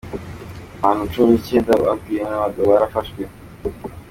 Abantu cumi n'icenda, bagwiriyemwo abagabo, barafashwe.